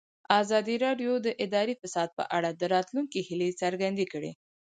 ازادي راډیو د اداري فساد په اړه د راتلونکي هیلې څرګندې کړې.